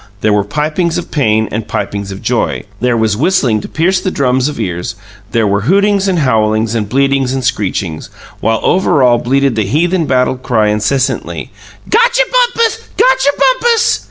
There were pipings of pain and pipings of joy; there was whistling to pierce the drums of ears; there were hootings and howlings and bleatings and screechings, while over all bleated the heathen battle cry incessantly: "GOTCHER BUMPUS! GOTCHER BUMPUS!"